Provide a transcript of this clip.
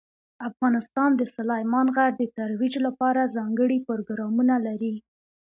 افغانستان د سلیمان غر د ترویج لپاره ځانګړي پروګرامونه لري.